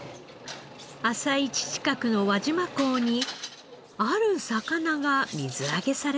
朝市近くの輪島港にある魚が水揚げされたようです。